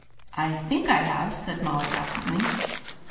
"I think I have!" said Molly, absently.